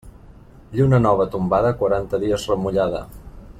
Lluna nova tombada, quaranta dies remullada.